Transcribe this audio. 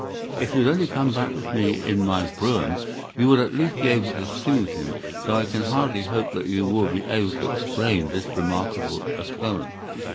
If you would only come back with me in my brougham, you would at least be able to soothe him, though I can hardly hope that you will be able to explain this remarkable occurrence."